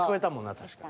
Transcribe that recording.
確かに。